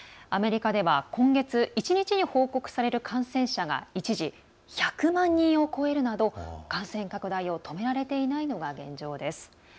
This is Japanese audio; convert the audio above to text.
アメリカでは今月１日に報告される感染者が一時１００万人を超えるなど感染拡大を止められていないのが現状です。